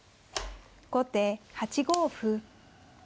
後手８五歩。